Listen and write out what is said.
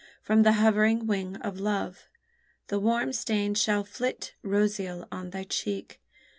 From the hovering wing of Love The warm stain shall flit roseal on thy cheek.